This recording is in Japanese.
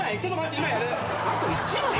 今やる。